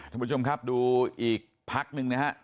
ทุกผู้ชมครับดูอีกพักหนึ่งนะครับ